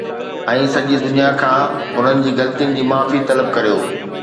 ۽ سڄي دنيا کان انهن جي غلطين جي معافي طلب ڪريو